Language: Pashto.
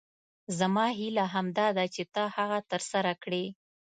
زما هیله همدا ده چې ته هغه تر سره کړې.